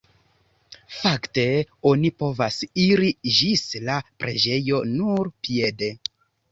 Fakte oni povas iri ĝis la preĝejo nur piede.